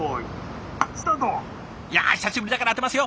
いや久しぶりだから当てますよ！